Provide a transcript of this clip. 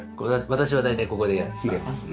私は大体ここでやってますね。